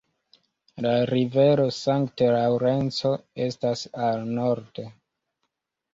La rivero Sankt-Laŭrenco estas al nordo.